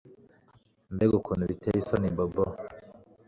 Mbega ibintu biteye isoni bobo